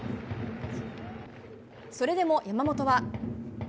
それでも山本は。